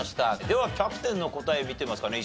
ではキャプテンの答え見てみますかね。